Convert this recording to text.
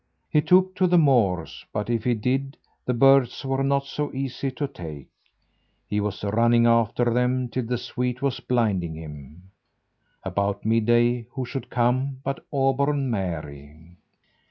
He took to the moors, but if he did, the birds were not so easy to take. He was running after them till the sweat was blinding him. About mid day who should come but Auburn Mary.